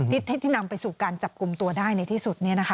ที่นำไปสู่การจับกลุ่มตัวได้ในที่สุด